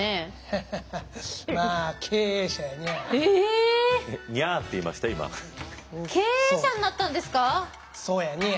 経営者になったんですか？